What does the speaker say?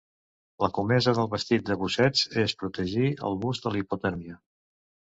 La comesa del vestit de busseig és protegir al bus de la hipotèrmia.